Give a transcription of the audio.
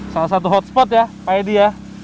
salah satu hotspot ya pak edi ya